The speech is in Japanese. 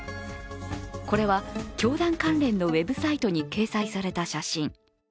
これは教団関連のウェブサイトに掲載された写真。